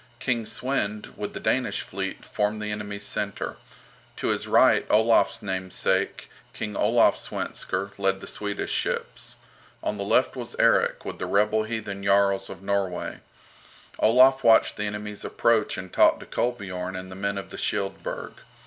King Svend, with the Danish fleet, formed the enemy's centre. To his right Olaf's namesake, King Olaf Svensker, led the Swedish ships. On the left was Erik, with the rebel heathen Jarls of Norway. Olaf watched the enemy's approach and talked to Kolbiorn and the men of the Shield burg.